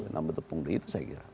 namun itu saya kira